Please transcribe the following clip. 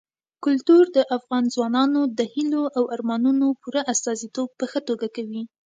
کلتور د افغان ځوانانو د هیلو او ارمانونو پوره استازیتوب په ښه توګه کوي.